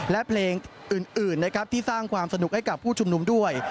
และเพลงอื่นนะครับที่สร้างความสนุกให้กับผู้ชุมนุมด้วย